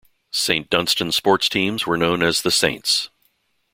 Saint Dunstan's sports teams were known as the Saints.